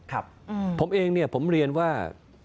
ครับผมเองเนี่ยผมเรียนว่า